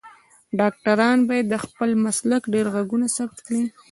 ډاکټران باید د خپل مسلک ډیر غږونه ثبت کړی